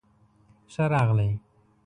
ښۀ راغلئ